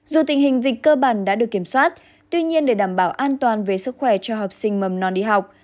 dù tình hình dịch cơ bản đã được kiểm soát tuy nhiên để đảm bảo an toàn về sức khỏe cho học sinh mầm non đi học